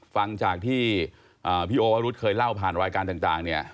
ฟังจากที่พี่โอวรุธเคยเล่าผ่านรายการต่างเนี่ย